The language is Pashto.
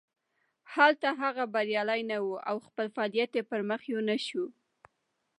هلته هغه بریالی نه و او خپل فعالیت یې پرمخ یو نه شو.